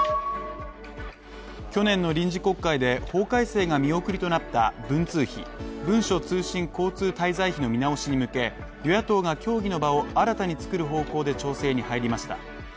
去年の臨時国会で法改正見送りとなった文通費＝文書通信交通滞在費の見直しに向け、与野党が協議の場を新たに作る方向で調整に入りました。